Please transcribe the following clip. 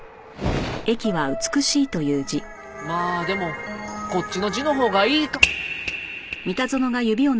まあでもこっちの字のほうがいい。